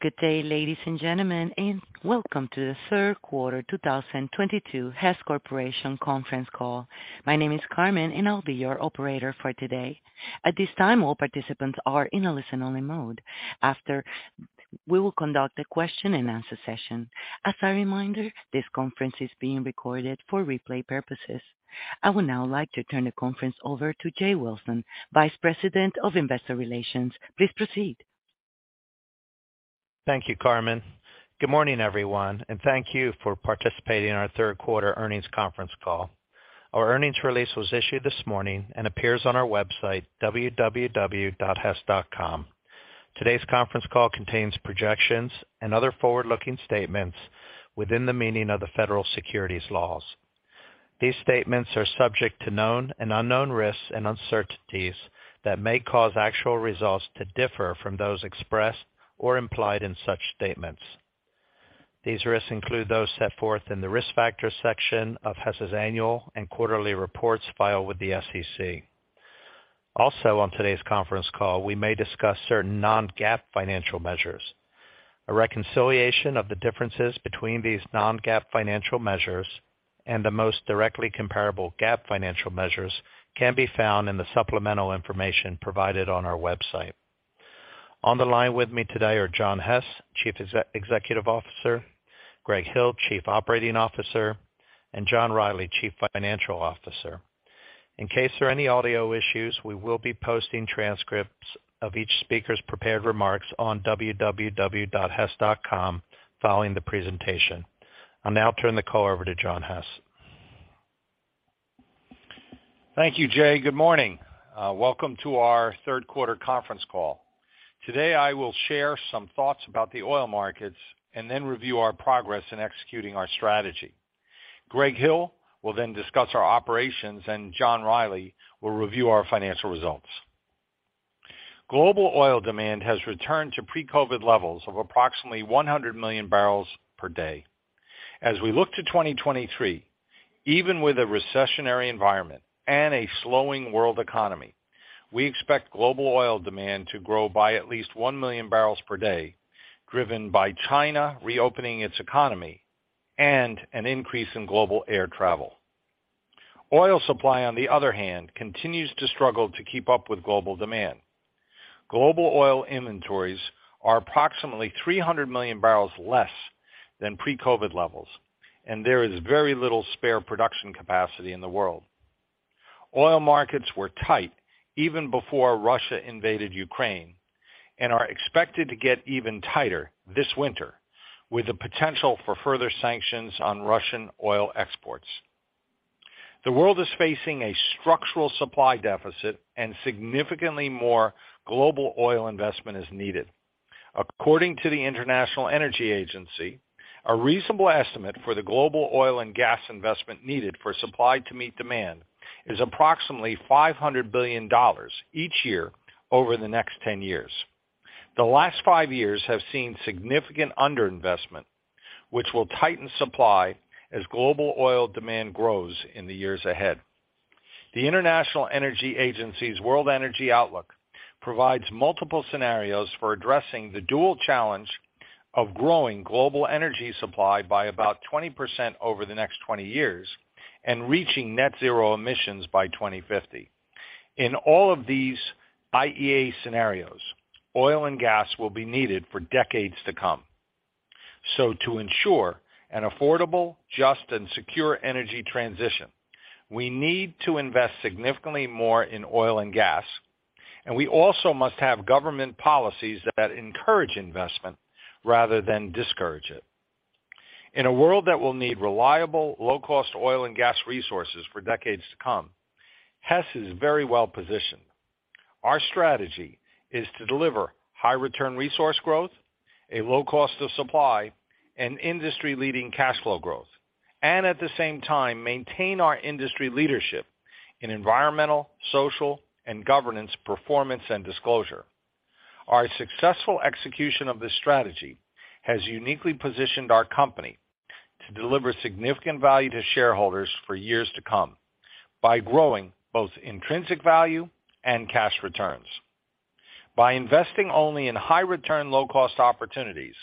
Good day, ladies and gentlemen, and welcome to the third quarter 2022 Hess Corporation conference call. My name is Carmen, and I'll be your operator for today. At this time, all participants are in a listen-only mode. After, we will conduct a question-and-answer session. As a reminder, this conference is being recorded for replay purposes. I would now like to turn the conference over to Jay Wilson, Vice President of Investor Relations. Please proceed. Thank you, Carmen. Good morning, everyone, and thank you for participating in our third quarter earnings conference call. Our earnings release was issued this morning and appears on our website, www.hess.com. Today's conference call contains projections and other forward-looking statements within the meaning of the federal securities laws. These statements are subject to known and unknown risks and uncertainties that may cause actual results to differ from those expressed or implied in such statements. These risks include those set forth in the Risk Factors section of Hess's annual and quarterly reports filed with the SEC. Also on today's conference call, we may discuss certain non-GAAP financial measures. A reconciliation of the differences between these non-GAAP financial measures and the most directly comparable GAAP financial measures can be found in the supplemental information provided on our website. On the line with me today are John Hess, Chief Executive Officer, Greg Hill, Chief Operating Officer, and John Rielly, Chief Financial Officer. In case there are any audio issues, we will be posting transcripts of each speaker's prepared remarks on www.hess.com following the presentation. I'll now turn the call over to John Hess. Thank you, Jay. Good morning. Welcome to our third quarter conference call. Today, I will share some thoughts about the oil markets and then review our progress in executing our strategy. Greg Hill will then discuss our operations, and John Rielly will review our financial results. Global oil demand has returned to pre-COVID levels of approximately 100 million barrels per day. As we look to 2023, even with a recessionary environment and a slowing world economy, we expect global oil demand to grow by at least 1 million barrels per day, driven by China reopening its economy and an increase in global air travel. Oil supply, on the other hand, continues to struggle to keep up with global demand. Global oil inventories are approximately 300 million barrels less than pre-COVID levels, and there is very little spare production capacity in the world. Oil markets were tight even before Russia invaded Ukraine and are expected to get even tighter this winter, with the potential for further sanctions on Russian oil exports. The world is facing a structural supply deficit, and significantly more global oil investment is needed. According to the International Energy Agency, a reasonable estimate for the global oil and gas investment needed for supply to meet demand is approximately $500 billion each year over the next 10 years. The last 5 years have seen significant underinvestment, which will tighten supply as global oil demand grows in the years ahead. The International Energy Agency's World Energy Outlook provides multiple scenarios for addressing the dual challenge of growing global energy supply by about 20% over the next 20 years and reaching net zero emissions by 2050. In all of these IEA scenarios, oil and gas will be needed for decades to come. To ensure an affordable, just, and secure energy transition, we need to invest significantly more in oil and gas, and we also must have government policies that encourage investment rather than discourage it. In a world that will need reliable, low-cost oil and gas resources for decades to come, Hess is very well positioned. Our strategy is to deliver high return resource growth, a low cost of supply, and industry-leading cash flow growth, and at the same time, maintain our industry leadership in environmental, social, and governance performance and disclosure. Our successful execution of this strategy has uniquely positioned our company to deliver significant value to shareholders for years to come by growing both intrinsic value and cash returns. By investing only in high return, low cost opportunities,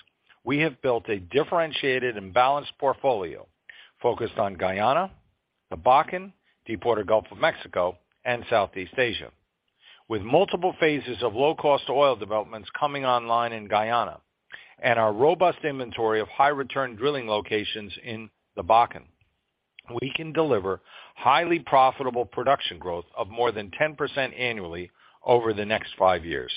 we have built a differentiated and balanced portfolio focused on Guyana, the Bakken, Deepwater Gulf of Mexico, and Southeast Asia. With multiple phases of low cost oil developments coming online in Guyana and our robust inventory of high return drilling locations in the Bakken, we can deliver highly profitable production growth of more than 10% annually over the next 5 years.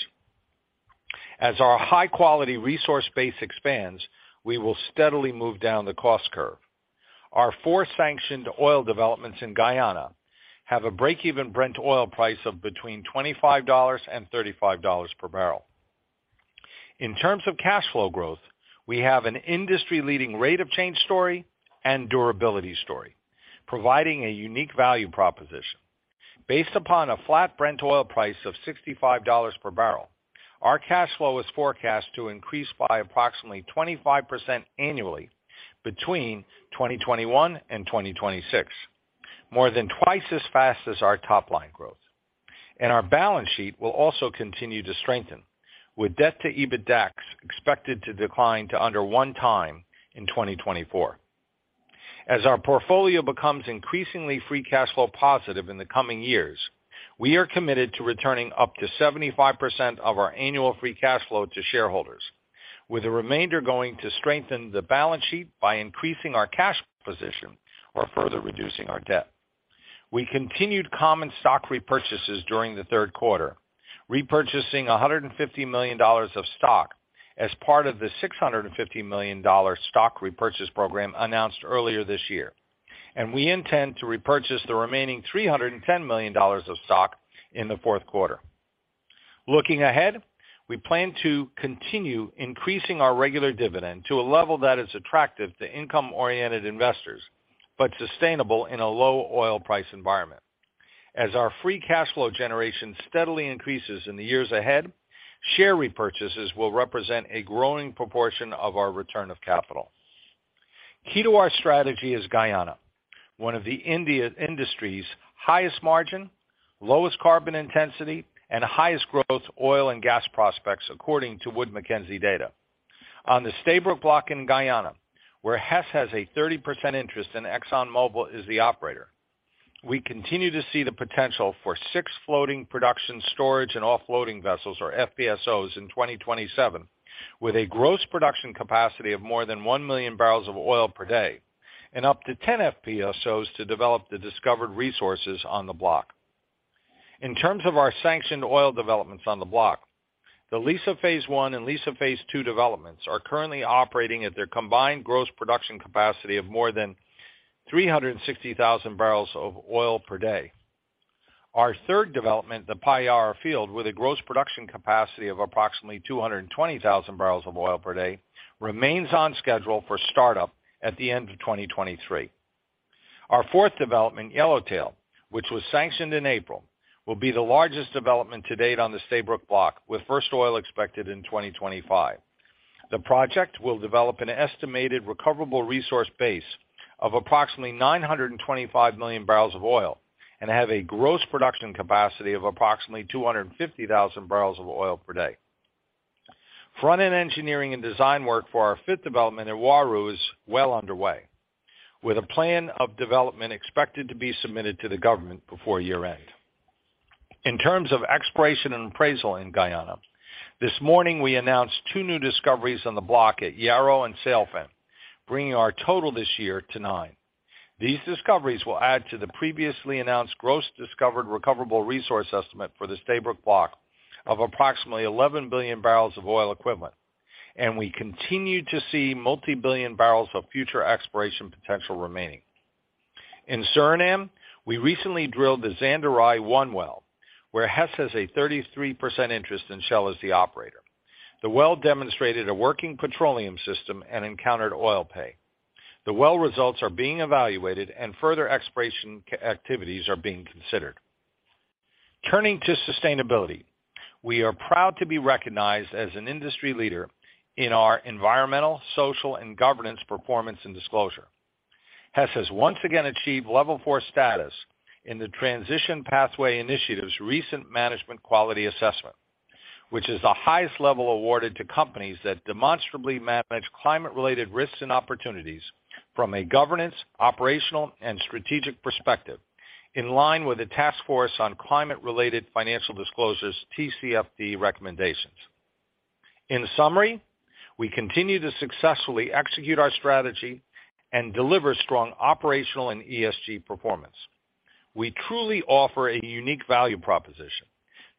As our high-quality resource base expands, we will steadily move down the cost curve. Our 4 sanctioned oil developments in Guyana have a break-even Brent oil price of between $25 and $35 per barrel. In terms of cash flow growth, we have an industry-leading rate of change story and durability story, providing a unique value proposition. Based upon a flat Brent oil price of $65 per barrel, our cash flow is forecast to increase by approximately 25% annually between 2021 and 2026, more than twice as fast as our top line growth. Our balance sheet will also continue to strengthen, with debt to EBITDA expected to decline to under 1x in 2024. As our portfolio becomes increasingly free cash flow positive in the coming years, we are committed to returning up to 75% of our annual free cash flow to shareholders, with the remainder going to strengthen the balance sheet by increasing our cash position or further reducing our debt. We continued common stock repurchases during the third quarter, repurchasing $150 million of stock as part of the $650 million stock repurchase program announced earlier this year, and we intend to repurchase the remaining $310 million of stock in the fourth quarter. Looking ahead, we plan to continue increasing our regular dividend to a level that is attractive to income-oriented investors, but sustainable in a low oil price environment. As our free cash flow generation steadily increases in the years ahead, share repurchases will represent a growing proportion of our return of capital. Key to our strategy is Guyana, one of the industry's highest margin, lowest carbon intensity, and highest growth oil and gas prospects, according to Wood Mackenzie data. On the Stabroek Block in Guyana, where Hess has a 30% interest and ExxonMobil is the operator, we continue to see the potential for 6 floating production storage and offloading vessels, or FPSOs, in 2027, with a gross production capacity of more than 1 million barrels of oil per day and up to 10 FPSOs to develop the discovered resources on the block. In terms of our sanctioned oil developments on the block, the Liza phase I and Liza phase II developments are currently operating at their combined gross production capacity of more than 360,000 barrels of oil per day. Our third development, the Payara field, with a gross production capacity of approximately 220,000 barrels of oil per day, remains on schedule for startup at the end of 2023. Our fourth development, Yellowtail, which was sanctioned in April, will be the largest development to date on the Stabroek Block, with first oil expected in 2025. The project will develop an estimated recoverable resource base of approximately 925 million barrels of oil and have a gross production capacity of approximately 250,000 barrels of oil per day. Front-end engineering and design work for our fifth development at Uaru is well underway, with a plan of development expected to be submitted to the government before year-end. In terms of exploration and appraisal in Guyana, this morning we announced 2 new discoveries on the block at Yarrow and Sailfin, bringing our total this year to 9. These discoveries will add to the previously announced gross discovered recoverable resource estimate for the Stabroek Block of approximately 11 billion barrels of oil equivalent. We continue to see multi-billion barrels of future exploration potential remaining. In Suriname, we recently drilled the Zanderij-1 well, where Hess has a 33% interest and Shell is the operator. The well demonstrated a working petroleum system and encountered oil pay. The well results are being evaluated and further exploration activities are being considered. Turning to sustainability, we are proud to be recognized as an industry leader in our environmental, social, and governance performance and disclosure. Hess has once again achieved level- 4 status in the Transition Pathway Initiative's recent Management Quality Assessment, which is the highest level awarded to companies that demonstrably manage climate-related risks and opportunities from a governance, operational, and strategic perspective, in line with the Task Force on Climate-related Financial Disclosures TCFD recommendations. In summary, we continue to successfully execute our strategy and deliver strong operational and ESG performance. We truly offer a unique value proposition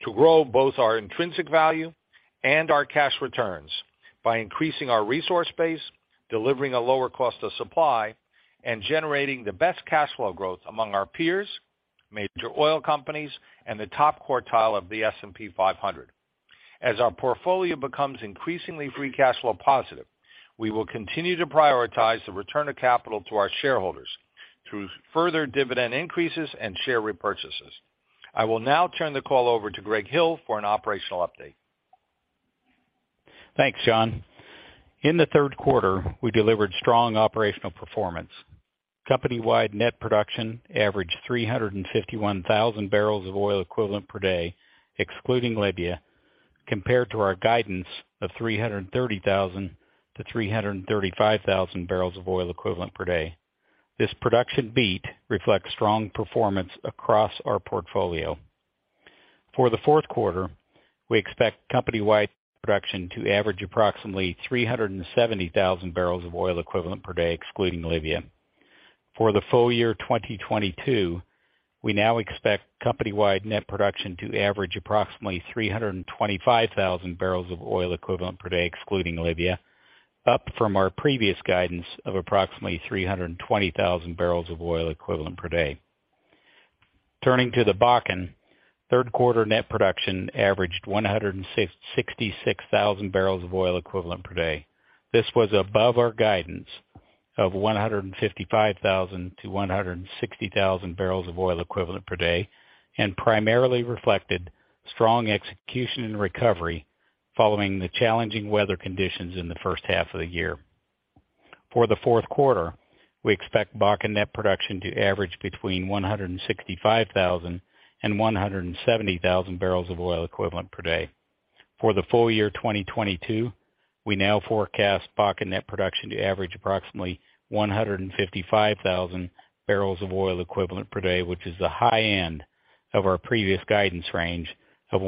to grow both our intrinsic value and our cash returns by increasing our resource base, delivering a lower cost of supply, and generating the best cash flow growth among our peers, major oil companies, and the top quartile of the S&P 500. As our portfolio becomes increasingly free cash flow positive, we will continue to prioritize the return of capital to our shareholders through further dividend increases and share repurchases. I will now turn the call over to Greg Hill for an operational update. Thanks, John. In the third quarter, we delivered strong operational performance. Company-wide net production averaged 351,000 barrels of oil equivalent per day, excluding Libya, compared to our guidance of 330,000-335,000 barrels of oil equivalent per day. This production beat reflects strong performance across our portfolio. For the fourth quarter, we expect company-wide production to average approximately 370,000 barrels of oil equivalent per day, excluding Libya. For the full year 2022, we now expect company-wide net production to average approximately 325,000 barrels of oil equivalent per day, excluding Libya, up from our previous guidance of approximately 320,000 barrels of oil equivalent per day. Turning to the Bakken, third quarter net production averaged 166,000 barrels of oil equivalent per day. This was above our guidance of 155,000-160,000 barrels of oil equivalent per day and primarily reflected strong execution and recovery following the challenging weather conditions in the first half of the year. For the fourth quarter, we expect Bakken net production to average between 165,000 and 170,000 barrels of oil equivalent per day. For the full year 2022, we now forecast Bakken net production to average approximately 155,000 barrels of oil equivalent per day, which is the high end of our previous guidance range of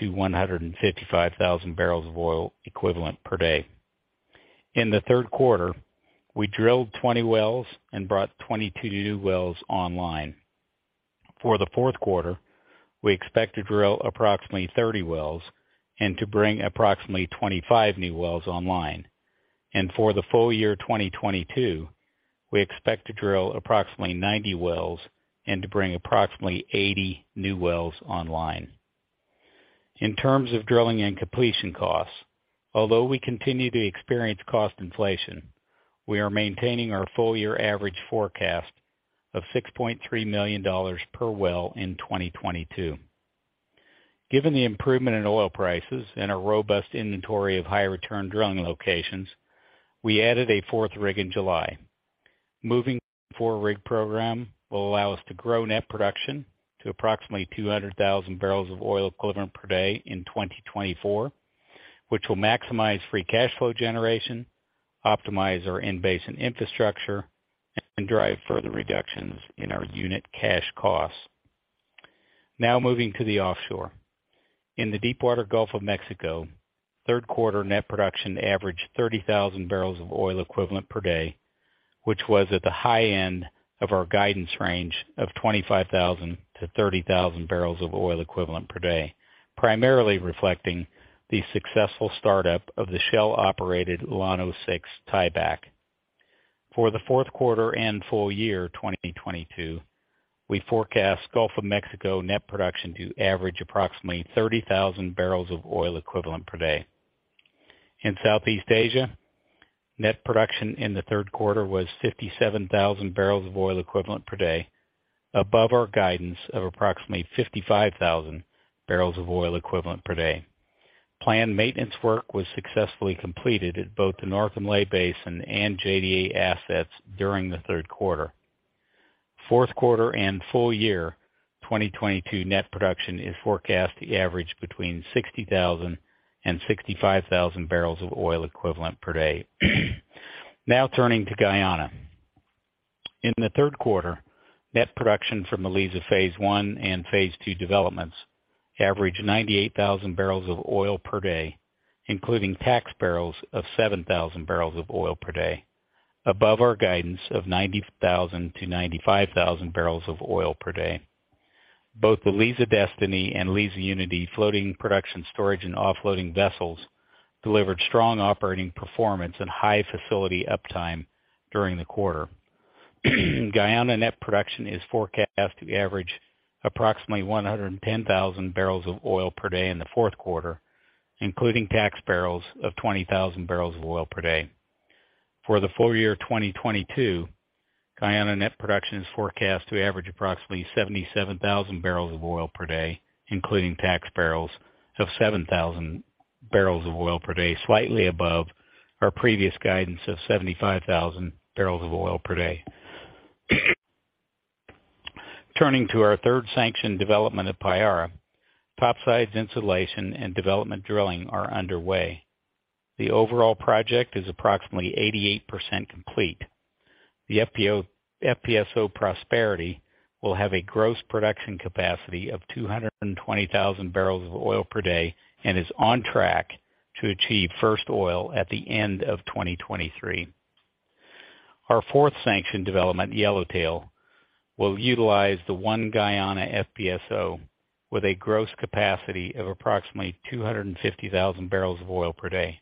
150,000-155,000 barrels of oil equivalent per day. In the third quarter, we drilled 20 wells and brought 22 new wells online. For the fourth quarter, we expect to drill approximately 30 wells and to bring approximately 25 new wells online. For the full year 2022, we expect to drill approximately 90 wells and to bring approximately 80 new wells online. In terms of drilling and completion costs, although we continue to experience cost inflation, we are maintaining our full year average forecast of $6.3 million per well in 2022. Given the improvement in oil prices and a robust inventory of high return drilling locations, we added a fourth rig in July. Our four-rig program will allow us to grow net production to approximately 200,000 barrels of oil equivalent per day in 2024, which will maximize free cash flow generation, optimize our in-basin infrastructure, and drive further reductions in our unit cash costs. Now moving to the offshore. In the Deepwater Gulf of Mexico, third quarter net production averaged 30,000 barrels of oil equivalent per day, which was at the high end of our guidance range of 25,000 to 30,000 barrels of oil equivalent per day, primarily reflecting the successful startup of the Shell operated Llano 6 tieback. For the fourth quarter and full year 2022, we forecast Gulf of Mexico net production to average approximately 30,000 barrels of oil equivalent per day. In Southeast Asia, net production in the third quarter was 57,000 barrels of oil equivalent per day, above our guidance of approximately 55,000 barrels of oil equivalent per day. Planned maintenance work was successfully completed at both the North Malay Basin and JDA assets during the third quarter. Fourth quarter and full year 2022 net production is forecast to average between 60,000 and 65,000 barrels of oil equivalent per day. Now turning to Guyana. In the third quarter, net production from the Liza phase I and phase II developments averaged 98,000 barrels of oil per day, including tax barrels of 7,000 barrels of oil per day, above our guidance of 90,000-95,000 barrels of oil per day. Both the Liza Destiny and Liza Unity floating production storage and offloading vessels delivered strong operating performance and high facility uptime during the quarter. Guyana net production is forecast to average approximately 110,000 barrels of oil per day in the fourth quarter, including tax barrels of 20,000 barrels of oil per day. For the full year 2022, Guyana net production is forecast to average approximately 77,000 barrels of oil per day, including tax barrels of 7,000 barrels of oil per day, slightly above our previous guidance of 75,000 barrels of oil per day. Turning to our third sanctioned development at Payara, topside insulation and development drilling are underway. The overall project is approximately 88% complete. The FPSO Prosperity will have a gross production capacity of 220,000 barrels of oil per day and is on track to achieve first oil at the end of 2023. Our fourth sanctioned development, Yellowtail, will utilize the ONE Guyana FPSO with a gross capacity of approximately 250,000 barrels of oil per day.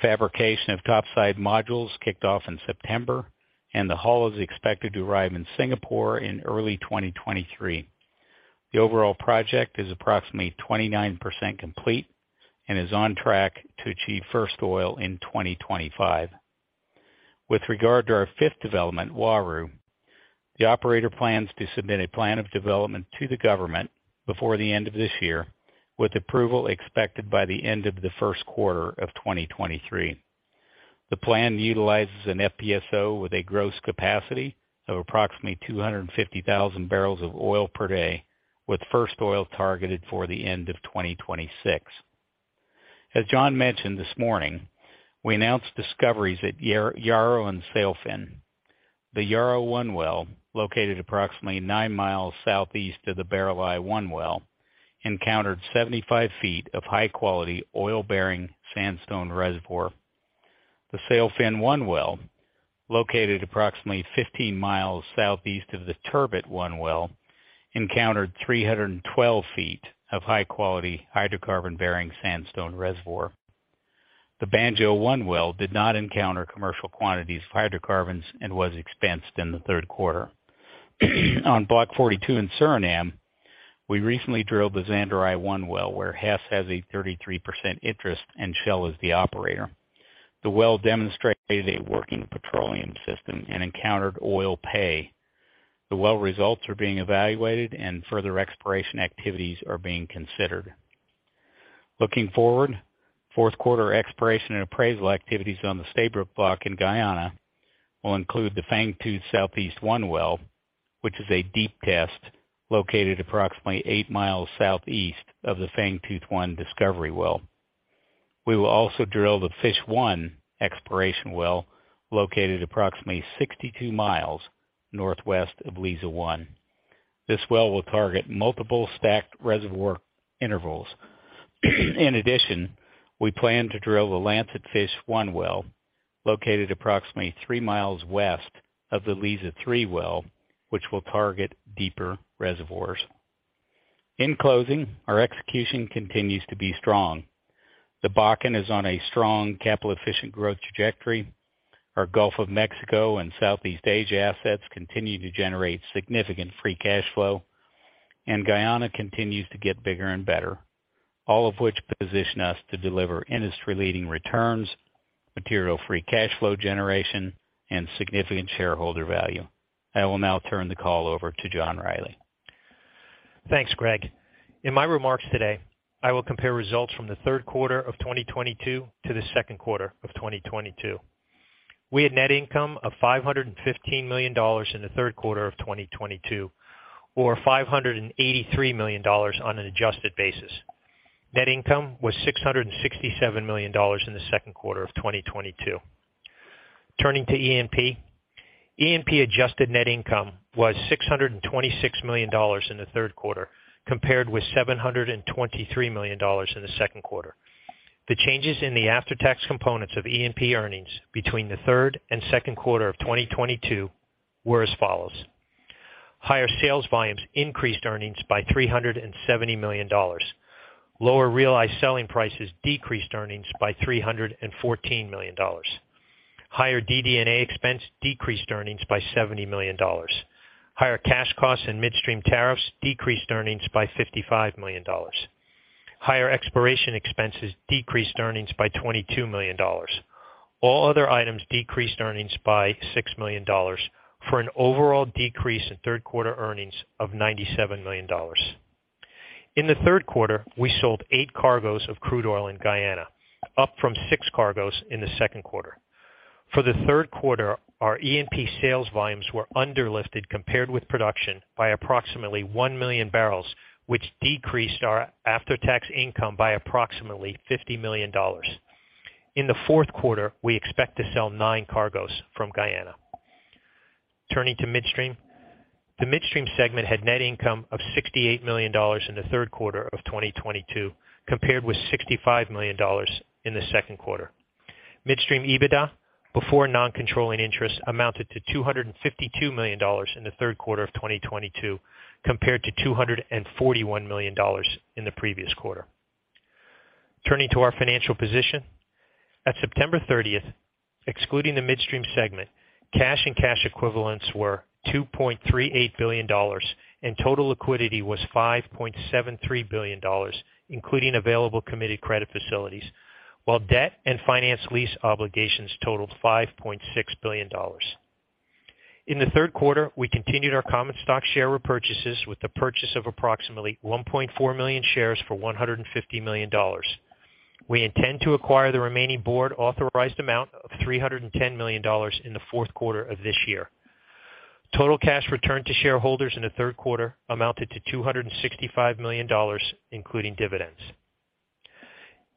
Fabrication of topside modules kicked off in September, and the hull is expected to arrive in Singapore in early 2023. The overall project is approximately 29% complete and is on track to achieve first oil in 2025. With regard to our fifth development, Uaru, the operator plans to submit a plan of development to the government before the end of this year, with approval expected by the end of the first quarter of 2023. The plan utilizes an FPSO with a gross capacity of approximately 250,000 barrels of oil per day, with first oil targeted for the end of 2026. As John mentioned this morning, we announced discoveries at Yarrow and Sailfin. The Yarrow-1 well, located approximately 9 miles southeast of the Barreleye-1 well, encountered 75 feet of high-quality oil-bearing sandstone reservoir. The Sailfin-1 well, located approximately 15 miles southeast of the Turbot-1 well, encountered 312 feet of high quality hydrocarbon-bearing sandstone reservoir. The Banjo-1 well did not encounter commercial quantities of hydrocarbons and was expensed in the third quarter. On Block 42 in Suriname, we recently drilled the Zanderij-1 well, where Hess has a 33% interest and Shell is the operator. The well demonstrates a working petroleum system and encountered oil pay. The well results are being evaluated and further exploration activities are being considered. Looking forward, fourth quarter exploration and appraisal activities on the Stabroek Block in Guyana will include the Fangtooth Southeast-1 well, which is a deep test located approximately 8 miles southeast of the Fangtooth-1 discovery well. We will also drill the Fish-1 exploration well, located approximately 62 miles northwest of Liza-1. This well will target multiple stacked reservoir intervals. In addition, we plan to drill the Lancetfish-1 well, located approximately 3 miles west of the Liza-3 well, which will target deeper reservoirs. In closing, our execution continues to be strong. The Bakken is on a strong capital efficient growth trajectory. Our Gulf of Mexico and Southeast Asia assets continue to generate significant free cash flow, and Guyana continues to get bigger and better, all of which position us to deliver industry-leading returns, material free cash flow generation, and significant shareholder value. I will now turn the call over to John Rielly. Thanks, Greg. In my remarks today, I will compare results from the third quarter of 2022 to the second quarter of 2022. We had net income of $515 million in the third quarter of 2022, or $583 million on an adjusted basis. Net income was $667 million in the second quarter of 2022. Turning to E&P. E&P adjusted net income was $626 million in the third quarter, compared with $723 million in the second quarter. The changes in the after-tax components of E&P earnings between the third and second quarter of 2022 were as follows. Higher sales volumes increased earnings by $370 million. Lower realized selling prices decreased earnings by $314 million. Higher DD&A expense decreased earnings by $70 million. Higher cash costs and midstream tariffs decreased earnings by $55 million. Higher exploration expenses decreased earnings by $22 million. All other items decreased earnings by $6 million for an overall decrease in third quarter earnings of $97 million. In the third quarter, we sold 8 cargoes of crude oil in Guyana, up from 6 cargoes in the second quarter. For the third quarter, our E&P sales volumes were underlifted compared with production by approximately 1 million barrels, which decreased our after-tax income by approximately $50 million. In the fourth quarter, we expect to sell 9 cargoes from Guyana. Turning to Midstream. The Midstream segment had net income of $68 million in the third quarter of 2022, compared with $65 million in the second quarter. Midstream EBITDA before non-controlling interest amounted to $252 million in the third quarter of 2022, compared to $241 million in the previous quarter. Turning to our financial position. At September 30th, excluding the Midstream segment, cash and cash equivalents were $2.38 billion, and total liquidity was $5.73 billion, including available committed credit facilities, while debt and finance lease obligations totaled $5.6 billion. In the third quarter, we continued our common stock share repurchases with the purchase of approximately 1.4 million shares for $150 million. We intend to acquire the remaining board-authorized amount of $310 million in the fourth quarter of this year. Total cash returned to shareholders in the third quarter amounted to $265 million, including dividends.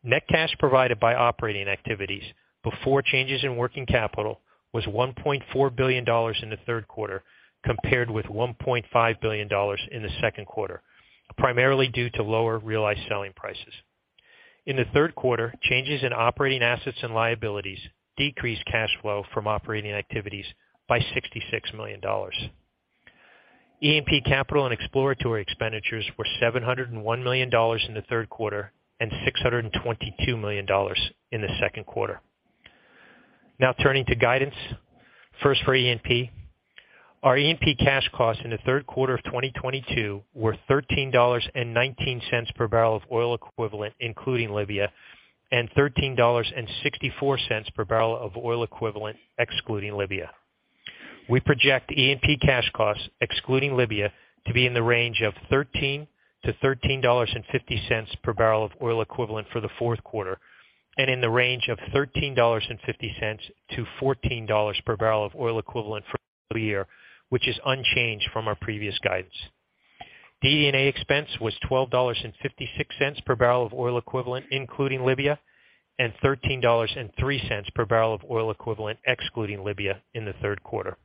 Net cash provided by operating activities before changes in working capital was $1.4 billion in the third quarter, compared with $1.5 billion in the second quarter, primarily due to lower realized selling prices. In the third quarter, changes in operating assets and liabilities decreased cash flow from operating activities by $66 million. E&P capital and exploratory expenditures were $701 million in the third quarter and $622 million in the second quarter. Now, turning to guidance. First, for E&P. Our E&P cash costs in the third quarter of 2022 were $13.19 per barrel of oil equivalent, including Libya, and $13.64 per barrel of oil equivalent excluding Libya. We project E&P cash costs excluding Libya to be in the range of $13-$13.50 per barrel of oil equivalent for the fourth quarter, and in the range of $13.50-$14 per barrel of oil equivalent for the full year, which is unchanged from our previous guidance. DD&A expense was $12.56 per barrel of oil equivalent, including Libya, and $13.03 per barrel of oil equivalent excluding Libya in the third quarter.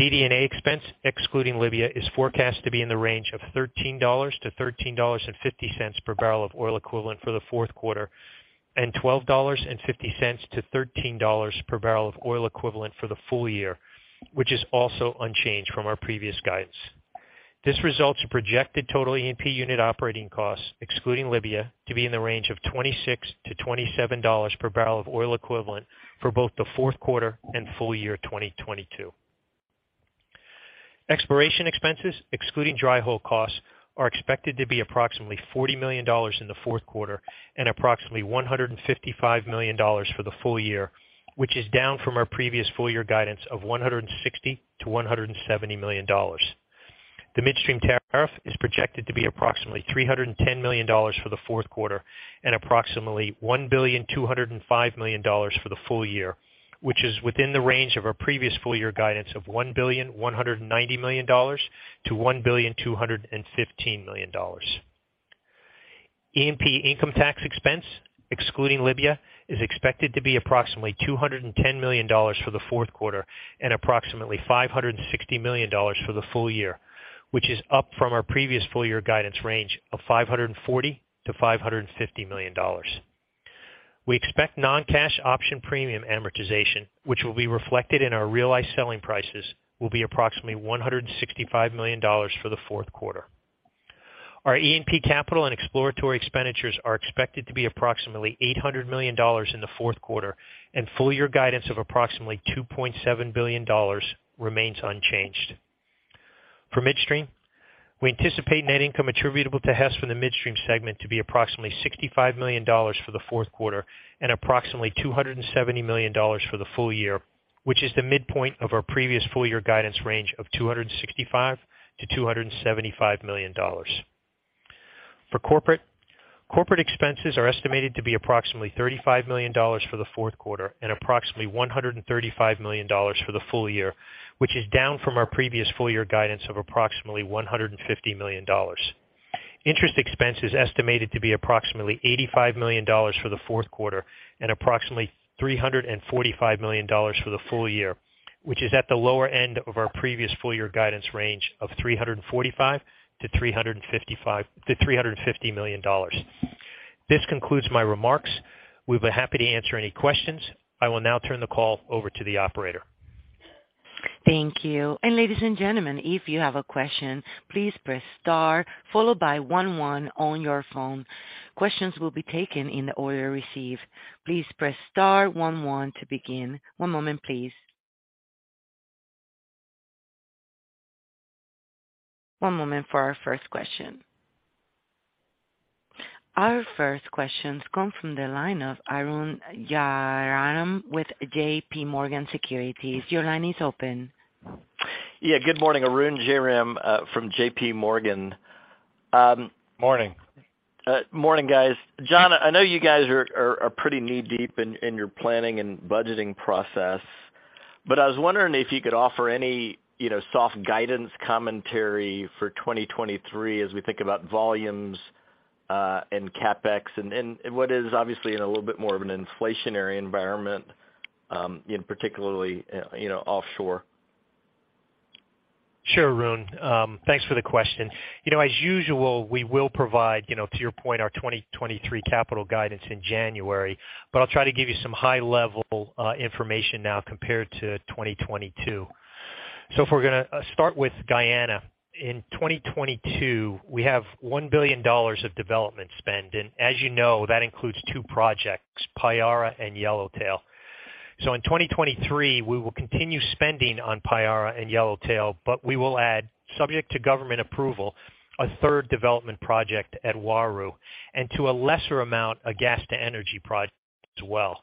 DD&A expense excluding Libya is forecast to be in the range of $13-$13.50 per barrel of oil equivalent for the fourth quarter, and $12.50-$13 per barrel of oil equivalent for the full year, which is also unchanged from our previous guidance. This results in projected total E&P unit operating costs excluding Libya to be in the range of $26-$27 per barrel of oil equivalent for both the fourth quarter and full year 2022. Exploration expenses excluding dry hole costs are expected to be approximately $40 million in the fourth quarter and approximately $155 million for the full year, which is down from our previous full year guidance of $160-$170 million. The midstream tariff is projected to be approximately $310 million for the fourth quarter and approximately $1.205 billion for the full year, which is within the range of our previous full-year guidance of $1.19 billion-$1.215 billion. E&P income tax expense, excluding Libya, is expected to be approximately $210 million for the fourth quarter and approximately $560 million for the full year, which is up from our previous full-year guidance range of $540 million-$550 million. We expect non-cash option premium amortization, which will be reflected in our realized selling prices, will be approximately $165 million for the fourth quarter. Our E&P capital and exploratory expenditures are expected to be approximately $800 million in the fourth quarter, and full-year guidance of approximately $2.7 billion remains unchanged. For midstream, we anticipate net income attributable to Hess from the midstream segment to be approximately $65 million for the fourth quarter and approximately $270 million for the full year, which is the midpoint of our previous full-year guidance range of $265 million-$275 million. For corporate expenses are estimated to be approximately $35 million for the fourth quarter and approximately $135 million for the full year, which is down from our previous full-year guidance of approximately $150 million. Interest expense is estimated to be approximately $85 million for the fourth quarter and approximately $345 million for the full year, which is at the lower end of our previous full-year guidance range of $345 million-$350 million. This concludes my remarks. We'll be happy to answer any questions. I will now turn the call over to the operator. Thank you. Ladies and gentlemen, if you have a question, please press star, followed by one one on your phone. Questions will be taken in the order received. Please press star one one to begin. One moment, please. One moment for our first question. Our first question comes from the line of Arun Jayaram with JPMorgan Securities. Your line is open. Yeah. Good morning, Arun Jayaram from JPMorgan. Morning. Morning, guys. John, I know you guys are pretty knee-deep in your planning and budgeting process, but I was wondering if you could offer any, you know, soft guidance commentary for 2023 as we think about volumes, and CapEx and what is obviously in a little bit more of an inflationary environment, in particular, you know, offshore. Sure, Arun. Thanks for the question. You know, as usual, we will provide, you know, to your point, our 2023 capital guidance in January. I'll try to give you some high level information now compared to 2022. If we're gonna start with Guyana. In 2022, we have $1 billion of development spend. As you know, that includes 2 projects, Payara and Yellowtail. In 2023, we will continue spending on Payara and Yellowtail, but we will add, subject to government approval, a third development project at Uaru, and to a lesser amount, a gas to energy project as well.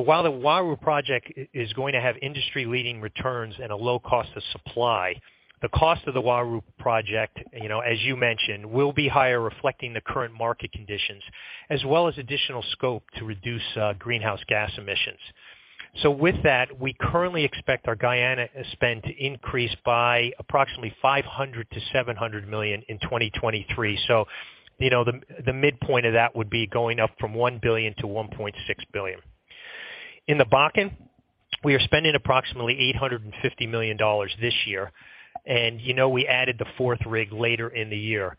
While the Uaru project is going to have industry-leading returns and a low cost of supply, the cost of the Uaru project, you know, as you mentioned, will be higher reflecting the current market conditions, as well as additional scope to reduce greenhouse gas emissions. With that, we currently expect our Guyana spend to increase by approximately $500 million-$700 million in 2023. You know, the midpoint of that would be going up from $1 billion to $1.6 billion. In the Bakken, we are spending approximately $850 million this year, and, you know, we added the fourth rig later in the year.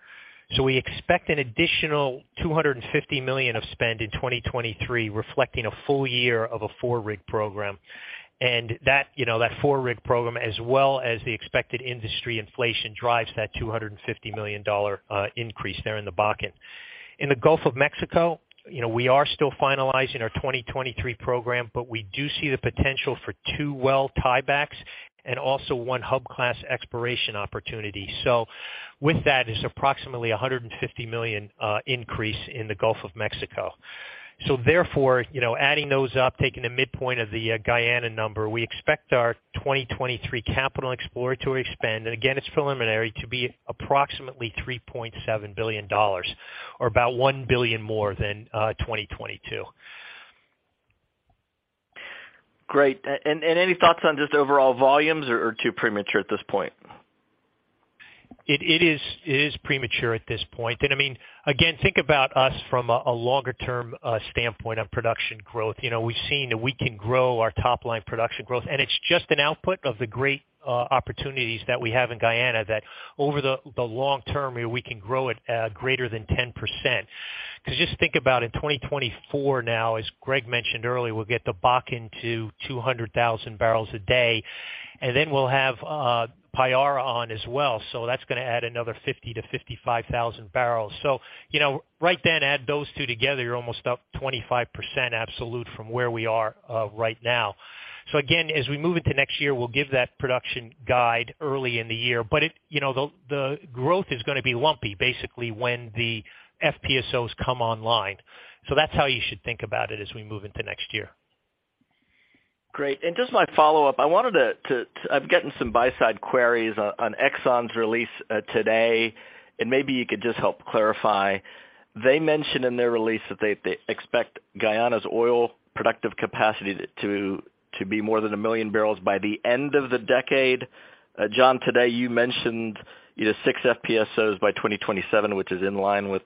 We expect an additional $250 million of spend in 2023, reflecting a full year of a four-rig program. That, you know, that four-rig program as well as the expected industry inflation drives that $250 million increase there in the Bakken. In the Gulf of Mexico, you know, we are still finalizing our 2023 program, but we do see the potential for 2 well tiebacks and also one hub class exploration opportunity. With that, it's approximately a $150 million increase in the Gulf of Mexico. Therefore, you know, adding those up, taking the midpoint of the Guyana number, we expect our 2023 capital exploratory spend, and again, it's preliminary, to be approximately $3.7 billion or about $1 billion more than 2022. Great. Any thoughts on just overall volumes or too premature at this point? It is premature at this point. I mean, again, think about us from a longer-term standpoint of production growth. You know, we've seen that we can grow our top line production growth, and it's just an output of the great opportunities that we have in Guyana that over the long term, you know, we can grow it greater than 10%. 'Cause just think about in 2024 now, as Greg mentioned earlier, we'll get the Bakken to 200,000 barrels a day, and then we'll have Payara on as well. That's gonna add another 50,000-55,000 barrels. You know, right then add those 2 together, you're almost up 25% absolute from where we are right now. Again, as we move into next year, we'll give that production guide early in the year. But you know, the growth is gonna be lumpy basically when the FPSOs come online. That's how you should think about it as we move into next year. Great. Just my follow-up, I wanted to. I'm getting some buy-side queries on ExxonMobil's release today, and maybe you could just help clarify. They mentioned in their release that they expect Guyana's oil productive capacity to be more than 1 million barrels by the end of the decade. John, today, you mentioned, you know, 6 FPSOs by 2027, which is in line with,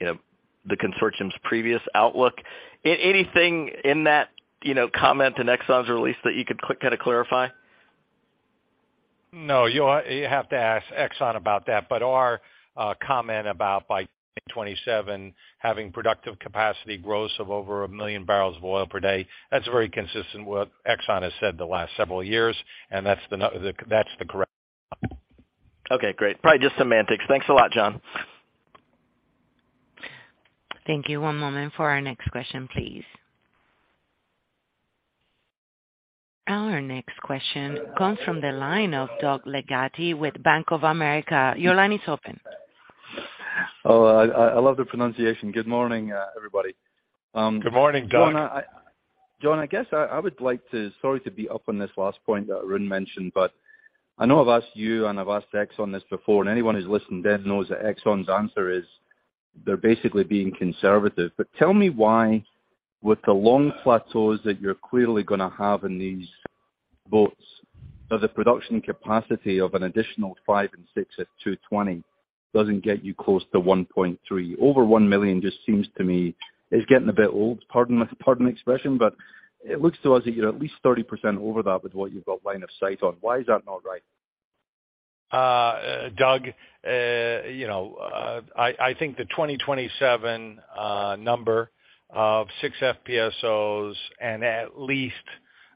you know, the consortium's previous outlook. Anything in that, you know, comment in ExxonMobil's release that you could kind of clarify? No, you have to ask ExxonMobil about that. Our comment about by 2027 having productive capacity gross of over 1 million barrels of oil per day, that's very consistent with what ExxonMobil has said the last several years, and that's the correct. Okay, great. Probably just semantics. Thanks a lot, John. Thank you. One moment for our next question, please. Our next question comes from the line of Doug Leggate with Bank of America. Your line is open. Oh, I love the pronunciation. Good morning, everybody. Good morning, Doug. John, I guess I would like to, sorry to beat up on this last point that Arun mentioned, but I know I've asked you, and I've asked ExxonMobil this before, and anyone who's listened then knows that ExxonMobil's answer is they're basically being conservative. Tell me why, with the long plateaus that you're clearly gonna have in these boats, does a production capacity of an additional 5 and 6 at 220 doesn't get you close to 1.3. Over 1 million just seems to me is getting a bit old, pardon the expression, but it looks to us that you're at least 30% over that with what you've got line of sight on. Why is that not right? Doug, you know, I think the 2027 number of 6 FPSOs and at least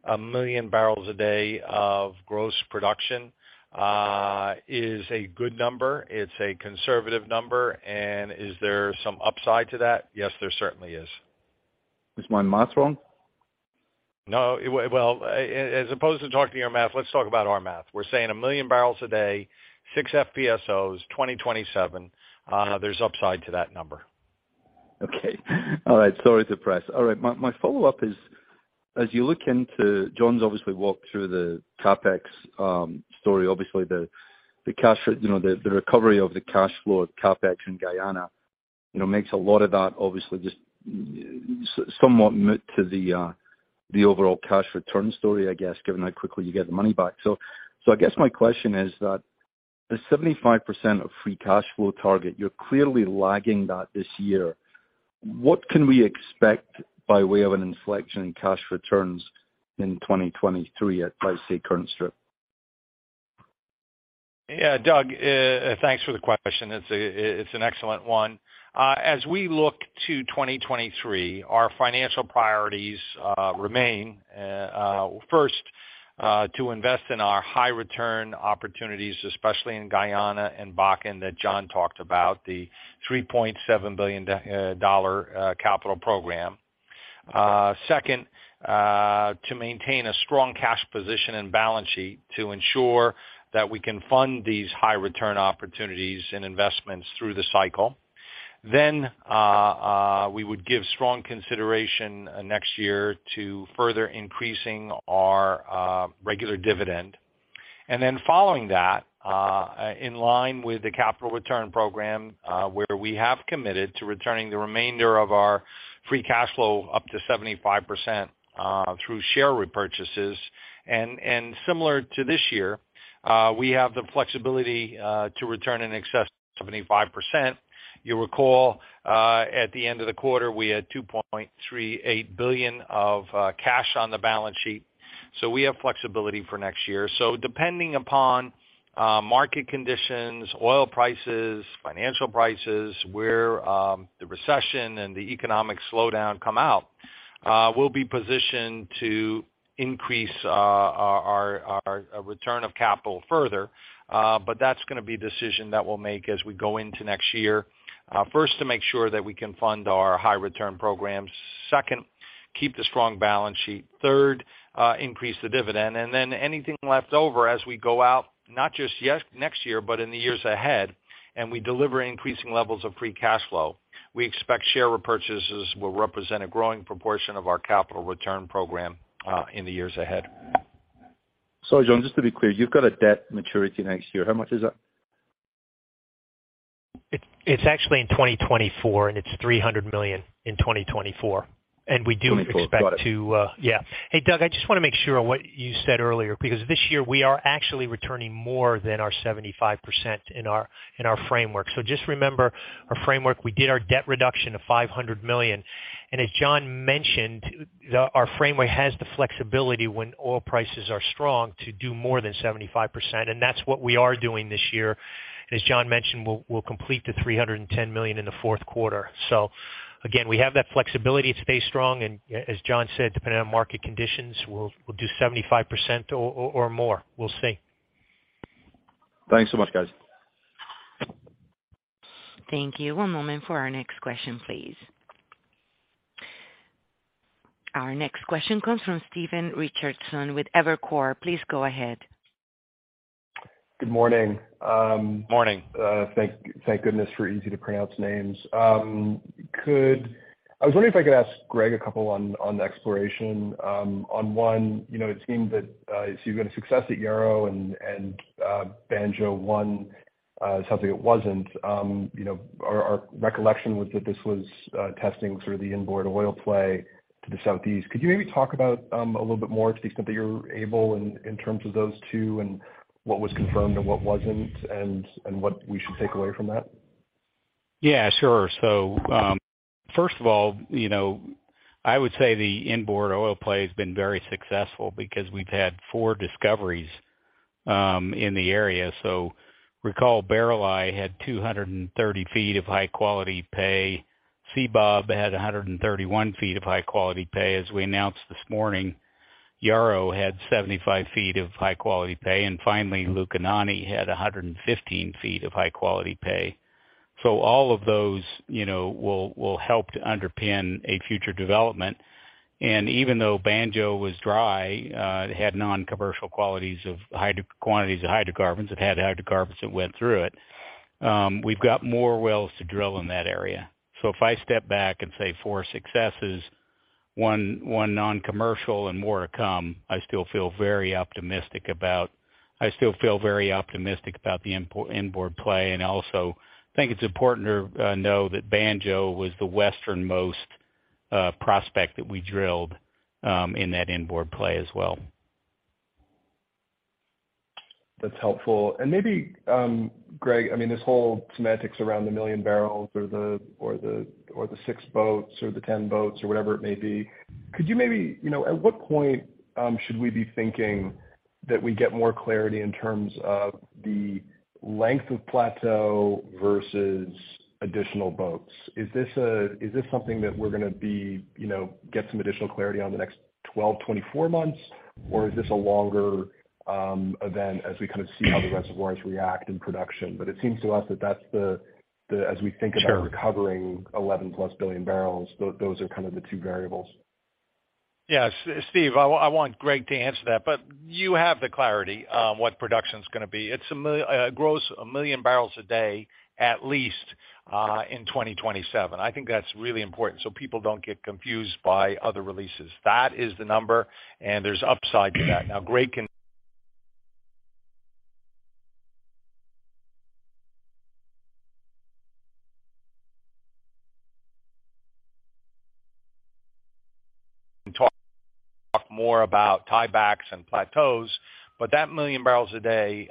1 million barrels a day of gross production is a good number. It's a conservative number. Is there some upside to that? Yes, there certainly is. Is my math wrong? No. Well, as opposed to talking your math, let's talk about our math. We're saying 1 million barrels a day, 6 FPSOs, 2027, there's upside to that number. Okay. All right. Sorry to press. All right. My follow-up is, as you look into John's obviously walked through the CapEx story, obviously the cash, you know, the recovery of the cash flow of CapEx in Guyana, you know, makes a lot of that obviously just somewhat moot to the overall cash return story, I guess, given how quickly you get the money back. I guess my question is that the 75% of free cash flow target, you're clearly lagging that this year. What can we expect by way of an inflection in cash returns in 2023 at, let's say, current strip? Yeah, Doug, thanks for the question. It's an excellent one. As we look to 2023, our financial priorities remain first to invest in our high return opportunities, especially in Guyana and Bakken that John talked about, the $3.7 billion-dollar capital program. Second, to maintain a strong cash position and balance sheet to ensure that we can fund these high return opportunities and investments through the cycle. We would give strong consideration next year to further increasing our regular dividend. Following that, in line with the capital return program, where we have committed to returning the remainder of our free cash flow up to 75% through share repurchases. Similar to this year, we have the flexibility to return in excess of 75%. You'll recall, at the end of the quarter, we had $2.38 billion of cash on the balance sheet. We have flexibility for next year. Depending upon market conditions, oil prices, financial prices, where the recession and the economic slowdown come out, we'll be positioned to increase our return of capital further. But that's gonna be a decision that we'll make as we go into next year. First, to make sure that we can fund our high return programs. Second, keep the strong balance sheet. Third, increase the dividend. Anything left over as we go out, not just next year, but in the years ahead, and we deliver increasing levels of free cash flow, we expect share repurchases will represent a growing proportion of our capital return program, in the years ahead. Sorry, John, just to be clear, you've got a debt maturity next year. How much is that? It's actually in 2024, and it's $300 million in 2024. We do expect to 24. Got it. Yeah. Hey, Doug, I just wanna make sure on what you said earlier, because this year we are actually returning more than our 75% in our framework. Just remember our framework. We did our debt reduction of $500 million. As John mentioned, our framework has the flexibility when oil prices are strong to do more than 75%. That's what we are doing this year. As John mentioned, we'll complete the $310 million in the fourth quarter. Again, we have that flexibility to stay strong. As John said, depending on market conditions, we'll do 75% or more. We'll see. Thanks so much, guys. Thank you. One moment for our next question, please. Our next question comes from Stephen Richardson with Evercore. Please go ahead. Good morning. Morning. Thank goodness for easy to pronounce names. I was wondering if I could ask Greg a couple on exploration. One, you know, it seemed that so you've got a success at Yarrow and Banjo-1, something that wasn't. You know, our recollection was that this was testing sort of the inboard oil play to the southeast. Could you maybe talk about a little bit more to the extent that you're able in terms of those 2 and what was confirmed or what wasn't and what we should take away from that? Yeah, sure. First of all, you know, I would say the inboard oil play has been very successful because we've had 4 discoveries in the area. Recall Barreleye had 230 feet of high quality pay. Seabob had 131 feet of high quality pay. As we announced this morning, Yarrow had 75 feet of high quality pay, and finally, Lukanani had 115 feet of high quality pay. All of those, you know, will help to underpin a future development. Even though Banjo was dry, it had non-commercial quantities of hydrocarbons. It had hydrocarbons that went through it. We've got more wells to drill in that area. If I step back and say 4 successes, 1 non-commercial and more to come, I still feel very optimistic about the inboard play. I also think it's important to know that Banjo was the westernmost prospect that we drilled in that inboard play as well. That's helpful. Maybe, Greg, I mean, this whole semantics around the million barrels or the 6 boats or the 10 boats or whatever it may be. Could you maybe, you know, at what point should we be thinking that we get more clarity in terms of the length of plateau versus additional boats? Is this something that we're gonna be, you know, get some additional clarity on the next 12, 24 months? Or is this a longer event as we kind of see how the reservoirs react in production? But it seems to us that that's the. Sure. as we think about recovering 11+ billion barrels, those are kind of the 2 variables. Yeah. Steve, I want Greg to answer that, but you have the clarity on what production's gonna be. It's gross a million barrels a day, at least, in 2027. I think that's really important so people don't get confused by other releases. That is the number, and there's upside to that. Now, Greg can talk more about tiebacks and plateaus, but that million barrels a day,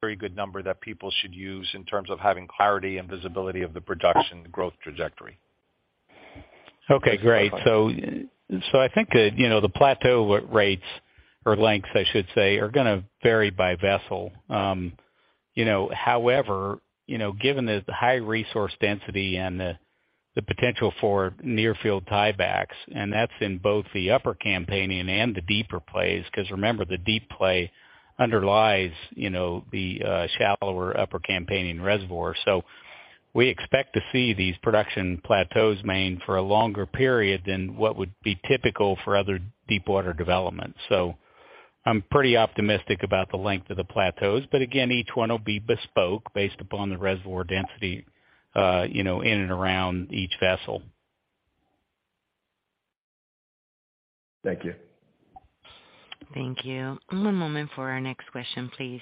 very good number that people should use in terms of having clarity and visibility of the production growth trajectory. Okay, great. I think, you know, the plateau rates or lengths, I should say, are gonna vary by vessel. You know, however, you know, given the high resource density and the potential for near field tiebacks, and that's in both the upper campaign and the deeper plays, because remember, the deep play underlies, you know, the shallower upper campaign reservoir. We expect to see these production plateaus maintain for a longer period than what would be typical for other deepwater developments. I'm pretty optimistic about the length of the plateaus. Again, each one will be bespoke based upon the reservoir density, you know, in and around each vessel. Thank you. Thank you. One moment for our next question, please.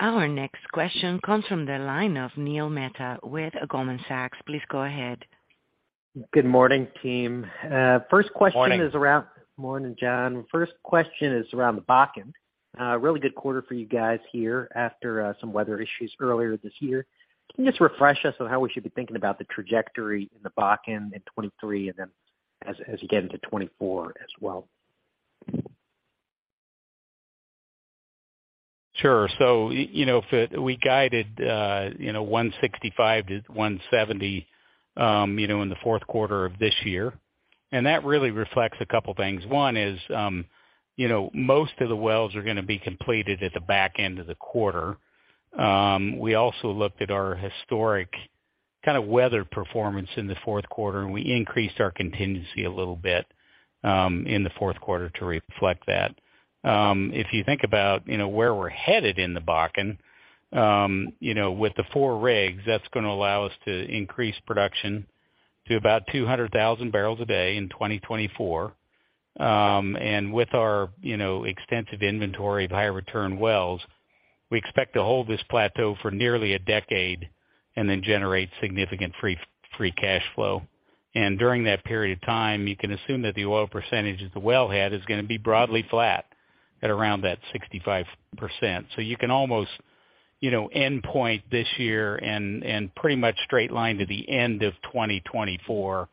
Our next question comes from the line of Neil Mehta with Goldman Sachs. Please go ahead. Good morning, team. First question is around. Morning. Morning, John. First question is around the Bakken. Really good quarter for you guys here after some weather issues earlier this year. Can you just refresh us on how we should be thinking about the trajectory in the Bakken in 2023 and then as you get into 2024 as well? Sure. You know, we guided 165-170, you know, in the fourth quarter of this year. That really reflects a couple things. One is, you know, most of the wells are gonna be completed at the back end of the quarter. We also looked at our historic kind of weather performance in the fourth quarter, and we increased our contingency a little bit in the fourth quarter to reflect that. If you think about, you know, where we're headed in the Bakken, you know, with the 4 rigs, that's gonna allow us to increase production to about 200,000 barrels a day in 2024. With our, you know, extensive inventory of high return wells, we expect to hold this plateau for nearly a decade and then generate significant free cash flow. During that period of time, you can assume that the oil percentage of the well head is gonna be broadly flat at around that 65%. You can almost, you know, endpoint this year and pretty much straight line to the end of 2024,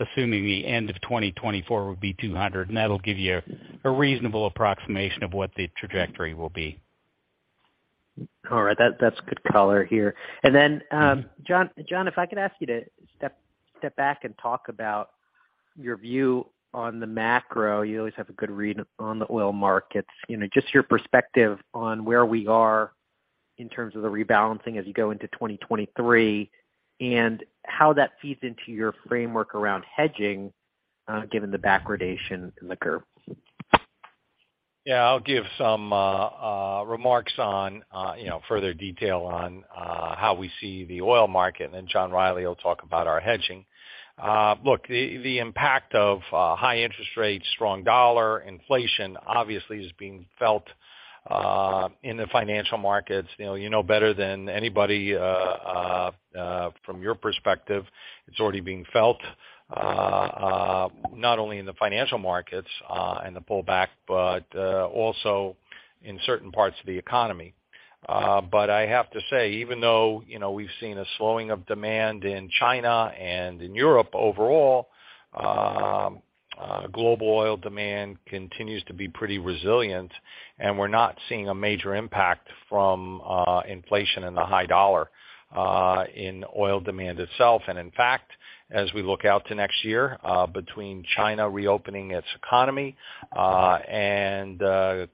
assuming the end of 2024 would be 200, and that'll give you a reasonable approximation of what the trajectory will be. All right. That's good color here. John, if I could ask you to step back and talk about your view on the macro. You always have a good read on the oil markets. You know, just your perspective on where we are in terms of the rebalancing as you go into 2023, and how that feeds into your framework around hedging, given the backwardation in the curve. Yeah, I'll give some remarks on, you know, further detail on how we see the oil market, and then John Rielly will talk about our hedging. Look, the impact of high interest rates, strong dollar, inflation, obviously is being felt in the financial markets. You know better than anybody from your perspective, it's already being felt not only in the financial markets and the pullback, but also in certain parts of the economy. I have to say, even though, you know, we've seen a slowing of demand in China and in Europe overall, global oil demand continues to be pretty resilient, and we're not seeing a major impact from inflation and the high dollar in oil demand itself. In fact, as we look out to next year, between China reopening its economy and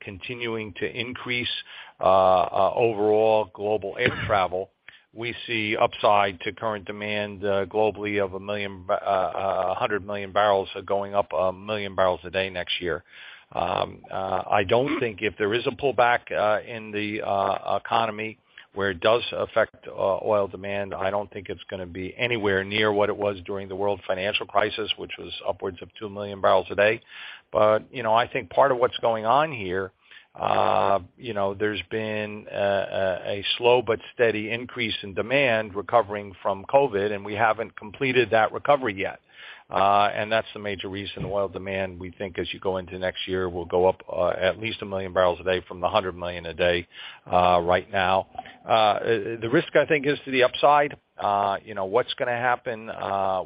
continuing to increase overall global air travel, we see upside to current demand globally of 100 million barrels going up 1 million barrels a day next year. I don't think if there is a pullback in the economy where it does affect oil demand, I don't think it's gonna be anywhere near what it was during the world financial crisis, which was upwards of 2 million barrels a day. You know, I think part of what's going on here, you know, there's been a slow but steady increase in demand recovering from COVID, and we haven't completed that recovery yet. That's the major reason oil demand, we think as you go into next year, will go up, at least 1 million barrels a day from the 100 million a day right now. The risk, I think, is to the upside. You know, what's gonna happen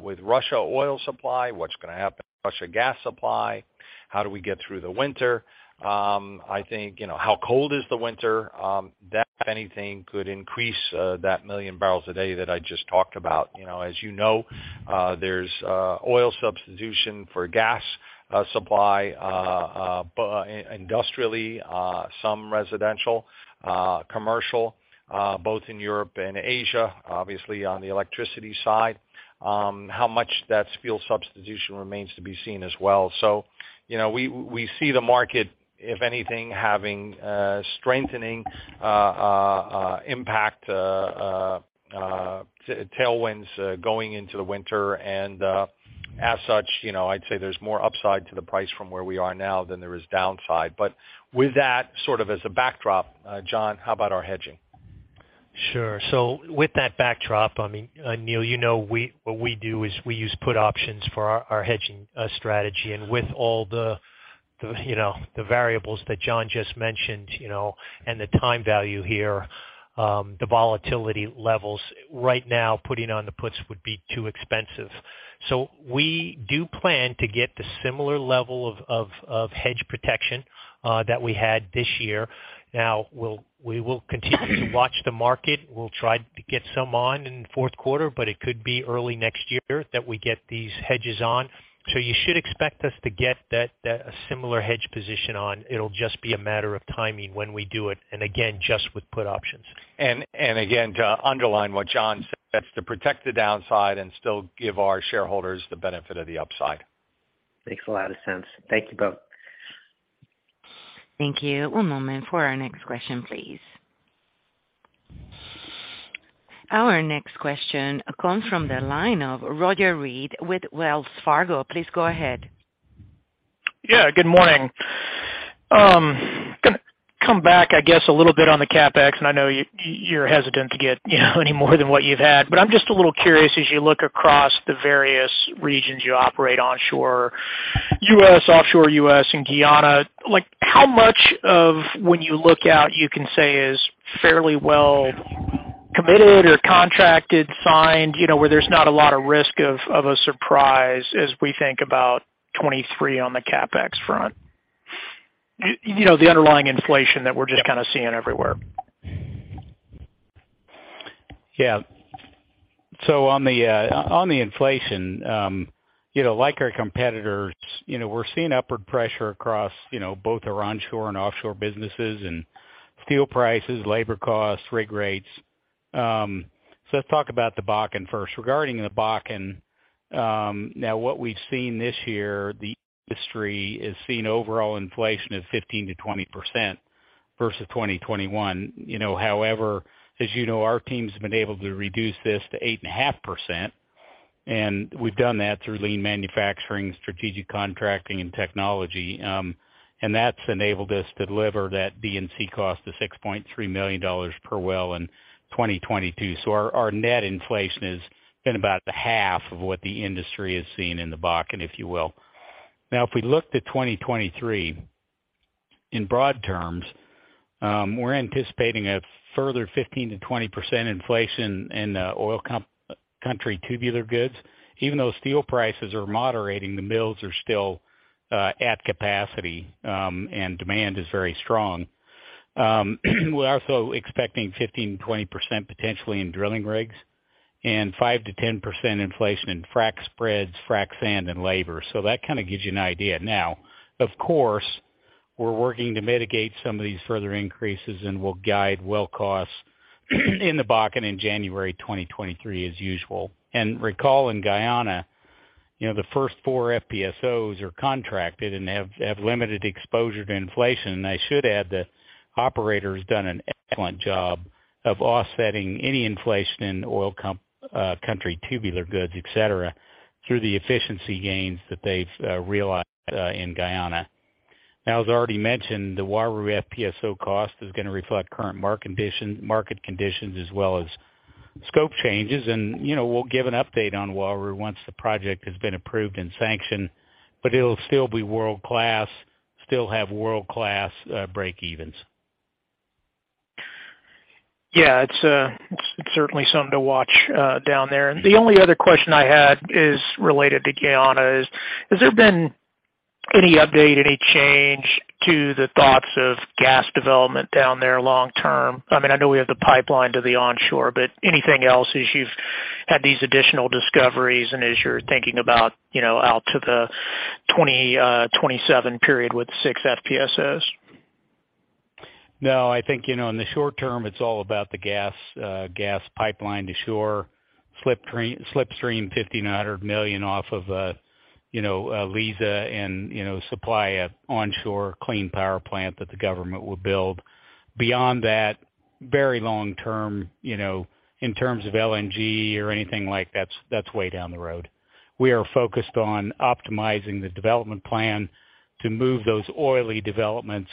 with Russia oil supply? What's gonna happen with Russia gas supply? How do we get through the winter? I think, you know, how cold is the winter? That, if anything, could increase that 1 million barrels a day that I just talked about. You know, as you know, there's oil substitution for gas supply industrially, some residential, commercial, both in Europe and Asia, obviously on the electricity side. How much that fuel substitution remains to be seen as well. You know, we see the market, if anything, having strengthening tailwinds going into the winter. As such, you know, I'd say there's more upside to the price from where we are now than there is downside. With that, sort of as a backdrop, John, how about our hedging? Sure. With that backdrop, I mean, Neil, you know, what we do is we use put options for our hedging strategy. With all the you know, the variables that John just mentioned, you know, and the time value here, the volatility levels right now, putting on the puts would be too expensive. We do plan to get the similar level of hedge protection that we had this year. Now, we will continue to watch the market. We'll try to get some on in the fourth quarter, but it could be early next year that we get these hedges on. You should expect us to get that similar hedge position on. It'll just be a matter of timing when we do it, and again, just with put options. again, to underline what John said, that's to protect the downside and still give our shareholders the benefit of the upside. Makes a lot of sense. Thank you both. Thank you. One moment for our next question, please. Our next question comes from the line of Roger Read with Wells Fargo. Please go ahead. Yeah, good morning. Gonna come back, I guess, a little bit on the CapEx, and I know you're hesitant to get, you know, any more than what you've had. I'm just a little curious, as you look across the various regions you operate onshore U.S., offshore U.S. and Guyana, like how much of when you look out, you can say is fairly well committed or contracted, signed, you know, where there's not a lot of risk of a surprise as we think about 2023 on the CapEx front? You know, the underlying inflation that we're just kind of seeing everywhere. Yeah. On the inflation, you know, like our competitors, you know, we're seeing upward pressure across, you know, both our onshore and offshore businesses and steel prices, labor costs, rig rates. Let's talk about the Bakken first. Regarding the Bakken, now what we've seen this year, the industry is seeing overall inflation of 15%-20% versus 2021. You know, however, as you know, our team's been able to reduce this to 8.5%, and we've done that through lean manufacturing, strategic contracting and technology. And that's enabled us to deliver that D&C cost to $6.3 million per well in 2022. Our net inflation has been about half of what the industry is seeing in the Bakken, if you will. Now, if we looked at 2023, in broad terms, we're anticipating a further 15%-20% inflation in the oil country tubular goods. Even though steel prices are moderating, the mills are still at capacity, and demand is very strong. We're also expecting 15%-20% potentially in drilling rigs. 5%-10% inflation in frac spreads, frac sand, and labor. That kind of gives you an idea. Now, of course, we're working to mitigate some of these further increases, and we'll guide well costs in the Bakken in January 2023 as usual. Recall in Guyana, you know, the first 4 FPSOs are contracted and have limited exposure to inflation. I should add that operator has done an excellent job of offsetting any inflation in oil country tubular goods, et cetera, through the efficiency gains that they've realized in Guyana. Now, as already mentioned, the Wabi FPSO cost is gonna reflect current market conditions as well as scope changes. You know, we'll give an update on Wabi once the project has been approved and sanctioned, but it'll still be world-class, still have world-class breakevens. Yeah. It's certainly something to watch down there. The only other question I had is related to Guyana. Has there been any update, any change to the thoughts of gas development down there long term? I mean, I know we have the pipeline to the onshore, but anything else as you've had these additional discoveries and as you're thinking about, you know, out to the 2027 period with 6 FPSOs? No. I think, you know, in the short term, it's all about the gas pipeline to shore, Slipstream $1.5 billion off of, you know, Liza and, you know, supply an onshore clean power plant that the government will build. Beyond that, very long term, you know, in terms of LNG or anything like that's way down the road. We are focused on optimizing the development plan to move those oily developments,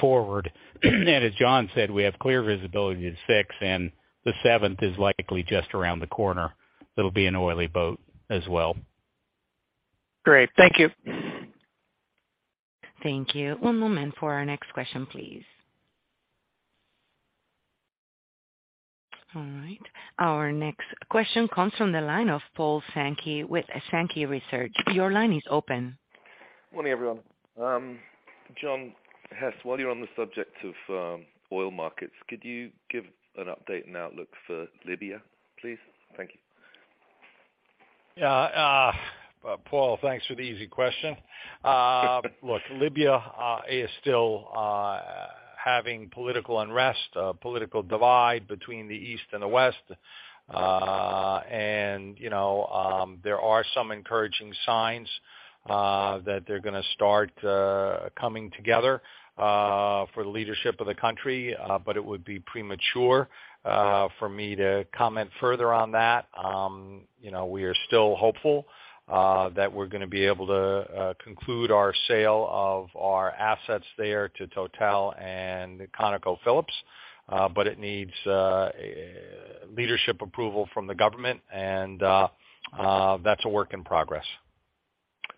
forward. As John said, we have clear visibility to 6, and the 7 is likely just around the corner. It'll be an oily boat as well. Great. Thank you. Thank you. One moment for our next question, please. All right. Our next question comes from the line of Paul Sankey with Sankey Research. Your line is open. Morning, everyone. John Hess, while you're on the subject of oil markets, could you give an update and outlook for Libya, please? Thank you. Yeah. Paul, thanks for the easy question. Look, Libya is still having political unrest, political divide between the East and the West. You know, there are some encouraging signs that they're gonna start coming together for the leadership of the country, but it would be premature for me to comment further on that. You know, we are still hopeful that we're gonna be able to conclude our sale of our assets there to TotalEnergies and ConocoPhillips, but it needs leadership approval from the government, and that's a work in progress.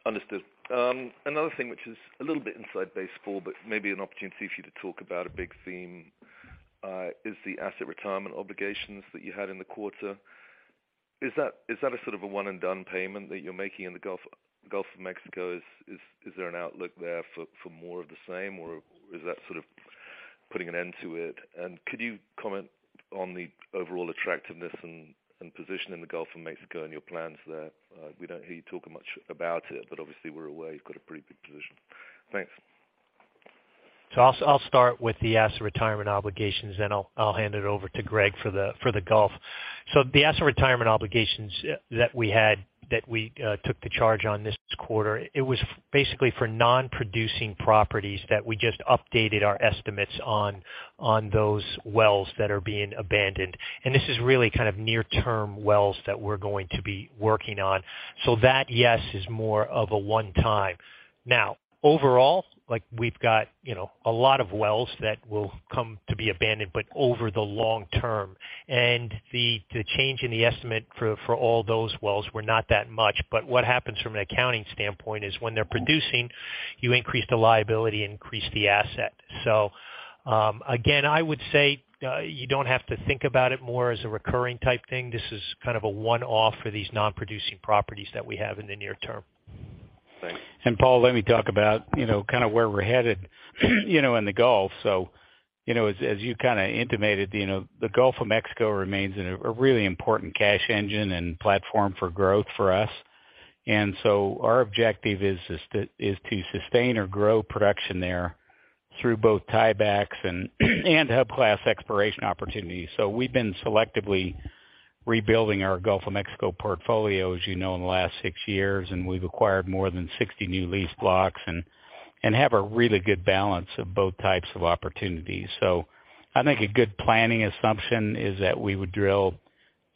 Understood. Another thing which is a little bit inside baseball, Paul, but maybe an opportunity for you to talk about a big theme is the asset retirement obligations that you had in the quarter. Is that a sort of a one and done payment that you're making in the Gulf of Mexico? Is there an outlook there for more of the same, or is that sort of putting an end to it? Could you comment on the overall attractiveness and position in the Gulf of Mexico and your plans there? We don't hear you talking much about it, but obviously we're aware you've got a pretty big position. Thanks. I'll start with the asset retirement obligations, then I'll hand it over to Greg for the Gulf. The asset retirement obligations that we took the charge on this quarter, it was basically for non-producing properties that we just updated our estimates on those wells that are being abandoned. This is really kind of near-term wells that we're going to be working on. That, yes, is more of a one-time. Now, overall, like we've got, you know, a lot of wells that will come to be abandoned, but over the long term. The change in the estimate for all those wells were not that much. What happens from an accounting standpoint is when they're producing, you increase the liability, increase the asset. Again, I would say, you don't have to think about it more as a recurring type thing. This is kind of a one-off for these non-producing properties that we have in the near term. Thanks. Paul, let me talk about, you know, kind of where we're headed, you know, in the Gulf. You know, as you kinda intimated, you know, the Gulf of Mexico remains a really important cash engine and platform for growth for us. Our objective is to sustain or grow production there through both tiebacks and hub class exploration opportunities. We've been selectively rebuilding our Gulf of Mexico portfolio, as you know, in the last 6 years, and we've acquired more than 60 new lease blocks and have a really good balance of both types of opportunities. I think a good planning assumption is that we would drill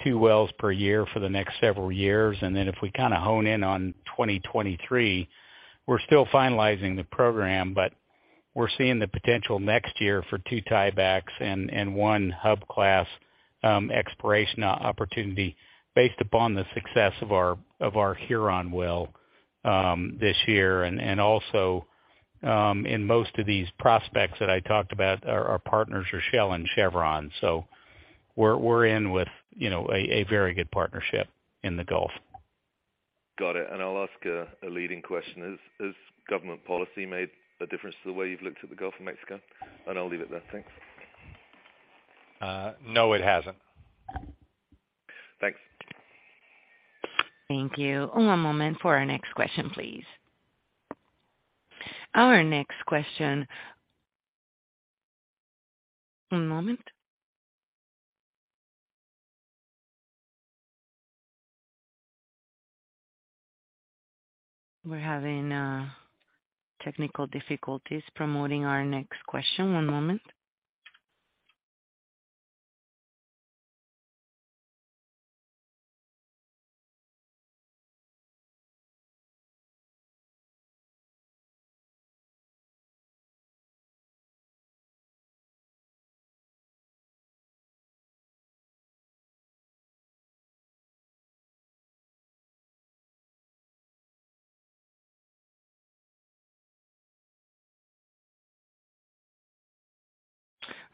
2 wells per year for the next several years. If we kinda hone in on 2023, we're still finalizing the program, but we're seeing the potential next year for 2 tiebacks and 1 hub class exploration opportunity based upon the success of our Huron well this year. In most of these prospects that I talked about, our partners are Shell and Chevron. We're in with you know a very good partnership in the Gulf. Got it. I'll ask a leading question. Has government policy made a difference to the way you've looked at the Gulf of Mexico? I'll leave it there. Thanks. No, it hasn't. Thanks. Thank you. One moment for our next question, please. Our next question. One moment. We're having technical difficulties posting our next question. One moment.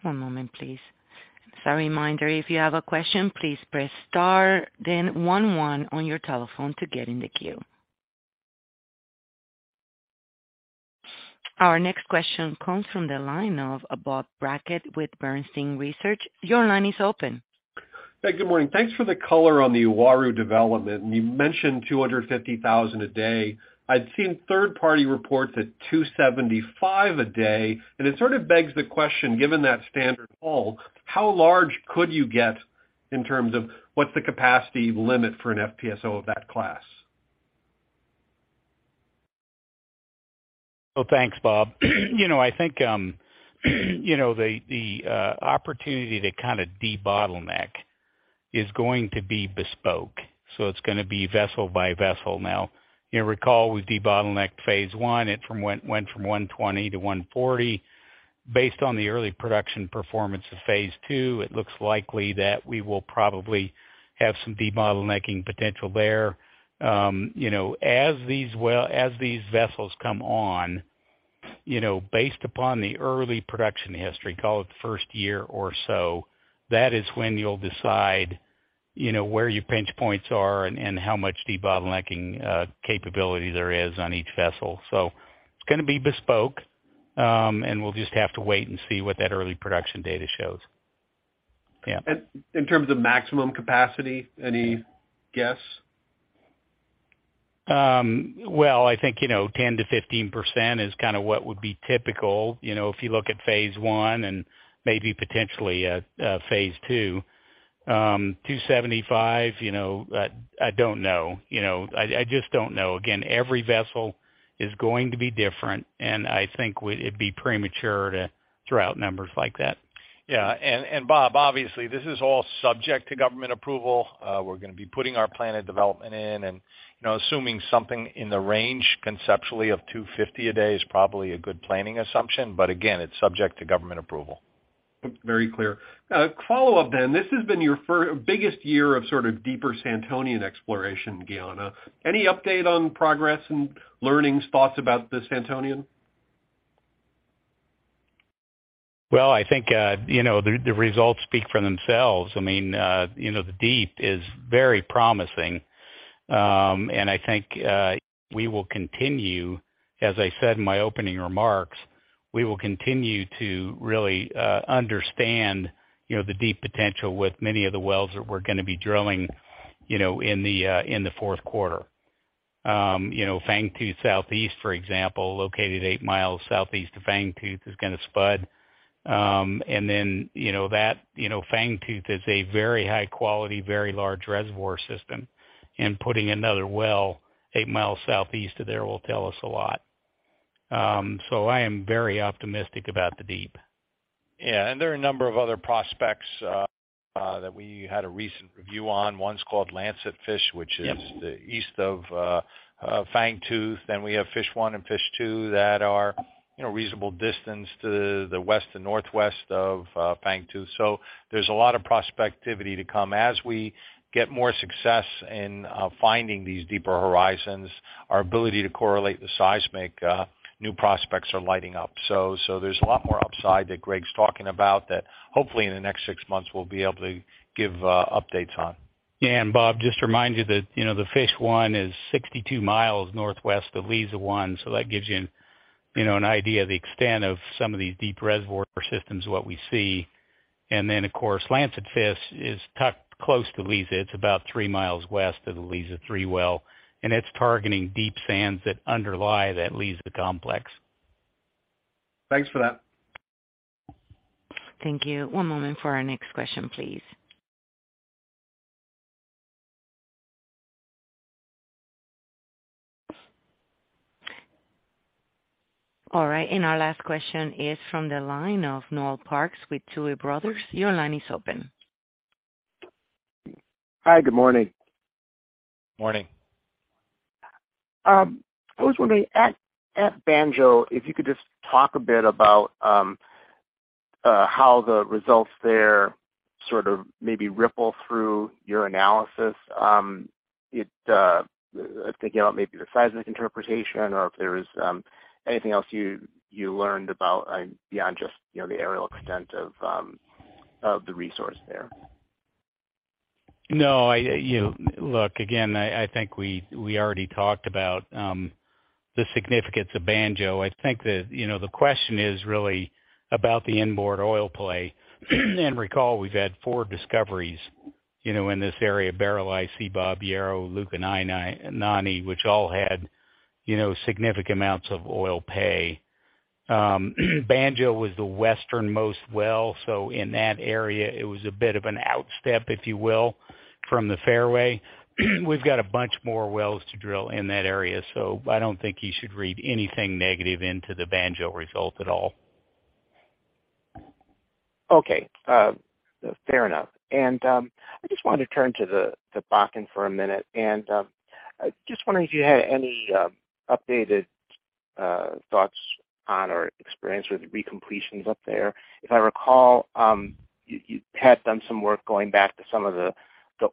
One moment, please. As a reminder, if you have a question, please press star then one one on your telephone to get in the queue. Our next question comes from the line of Bob Brackett with Bernstein Research. Your line is open. Hey, good morning. Thanks for the color on the Uaru development. You mentioned 250,000 a day. I'd seen third-party reports at 275 a day. It sort of begs the question, given that standard call, how large could you get in terms of what's the capacity limit for an FPSO of that class? Well, thanks, Bob. You know, I think, you know, the opportunity to kind of debottleneck is going to be bespoke. It's gonna be vessel by vessel now. You recall we debottlenecked phase I. It went from 120 to 140. Based on the early production performance of phase II, it looks likely that we will probably have some debottlenecking potential there. You know, as these vessels come on, you know, based upon the early production history, call it the first year or so, that is when you'll decide, you know, where your pinch points are and how much debottlenecking capability there is on each vessel. It's gonna be bespoke, and we'll just have to wait and see what that early production data shows. Yeah. In terms of maximum capacity, any guess? Well, I think, you know, 10%-15% is kind of what would be typical. You know, if you look at phase I and maybe potentially at phase II. 275, you know, I don't know. You know, I just don't know. Again, every vessel is going to be different, and I think it'd be premature to throw out numbers like that. Yeah. Bob, obviously, this is all subject to government approval. We're gonna be putting our plan and development in and, you know, assuming something in the range conceptually of 250 a day is probably a good planning assumption. Again, it's subject to government approval. Very clear. Follow-up. This has been your biggest year of sort of deeper Santonian exploration, Guyana. Any update on progress and learnings, thoughts about the Santonian? Well, I think, you know, the results speak for themselves. I mean, you know, the deep is very promising. I think, we will continue, as I said in my opening remarks, we will continue to really understand, you know, the deep potential with many of the wells that we're gonna be drilling, you know, in the fourth quarter. You know, Fangtooth Southeast, for example, located 8 miles southeast of Fangtooth is gonna spud. Then, you know that, you know, Fangtooth is a very high quality, very large reservoir system. Putting another well 8 miles southeast of there will tell us a lot. So I am very optimistic about the deep. Yeah. There are a number of other prospects that we had a recent review on. One's called Lancetfish. Yes. East of Fangtooth. We have Fish 1 and Fish 2 that are, you know, reasonable distance to the west and northwest of Fangtooth. There's a lot of prospectivity to come. As we get more success in finding these deeper horizons, our ability to correlate the seismic, new prospects are lighting up. There's a lot more upside that Greg's talking about that hopefully in the next 6 months we'll be able to give updates on. Yeah. Bob, just to remind you that, you know, the Fish 1 is 62 miles northwest of Liza 1. That gives you know, an idea of the extent of some of these deep reservoir systems, what we see. Then, of course, Lancetfish is tucked close to Liza. It's about 3 miles west of the Liza 3 well, and it's targeting deep sands that underlie that Liza complex. Thanks for that. Thank you. One moment for our next question, please. All right. Our last question is from the line of Noel Parks with Tuohy Brothers. Your line is open. Hi. Good morning. Morning. I was wondering at Banjo, if you could just talk a bit about how the results there sort of maybe ripple through your analysis. I'm thinking about maybe the seismic interpretation or if there is anything else you learned about beyond just, you know, the areal extent of the resource there. No, you know, look, again, I think we already talked about the significance of Banjo. I think that, you know, the question is really about the inboard oil play. Recall we've had 4 discoveries, you know, in this area, Barreleye, Seabob, Yarrow, Lukanani, which all had, you know, significant amounts of oil pay. Banjo was the westernmost well, so in that area, it was a bit of an outstep, if you will, from the fairway. We've got a bunch more wells to drill in that area, so I don't think you should read anything negative into the Banjo result at all. Okay. Fair enough. I just wanted to turn to the Bakken for a minute, and I just wondering if you had any updated thoughts on or experience with recompletions up there. If I recall, you had done some work going back to some of the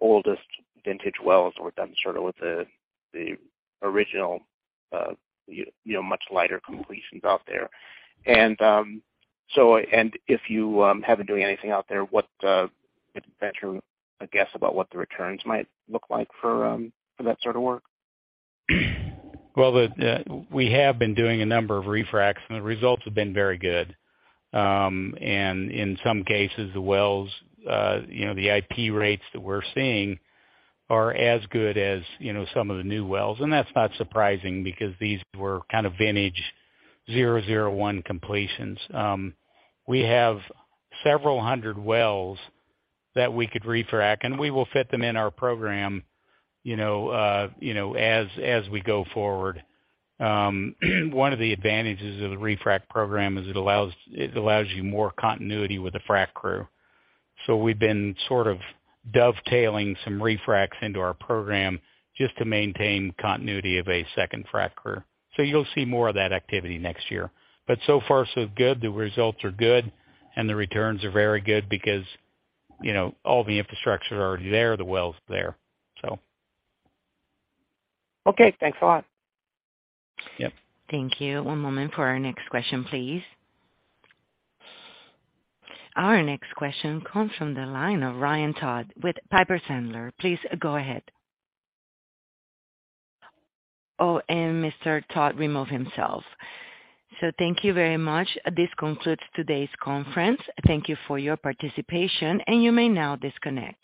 oldest vintage wells or done sort of with the original, you know, much lighter completions out there. So, if you haven't doing anything out there, what venture a guess about what the returns might look like for that sort of work? Well, we have been doing a number of refracs, and the results have been very good. And in some cases, the wells, you know, the IP rates that we're seeing are as good as, you know, some of the new wells, and that's not surprising because these were kind of vintage 001 completions. We have several hundred wells that we could refrac, and we will fit them in our program, you know, you know, as we go forward. One of the advantages of the refrac program is it allows you more continuity with the frac crew. We've been sort of dovetailing some refracs into our program just to maintain continuity of a second frac crew. You'll see more of that activity next year. So far, so good. The results are good, and the returns are very good because, you know, all the infrastructure is already there, the well's there, so. Okay. Thanks a lot. Yep. Thank you. One moment for our next question, please. Our next question comes from the line of Ryan Todd with Piper Sandler. Please go ahead. Oh, and Mr. Todd removed himself. Thank you very much. This concludes today's conference. Thank you for your participation, and you may now disconnect.